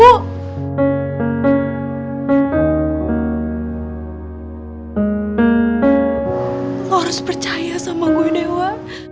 aku harus percaya sama gue dewa